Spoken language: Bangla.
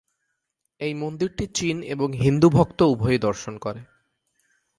এই মন্দিরটি চীন এবং হিন্দু ভক্ত উভয়ই দর্শন করে।